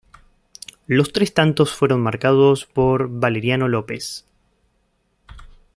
Los tres tantos fueron marcados por Valeriano López.